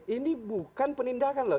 ini bukan penindakan loh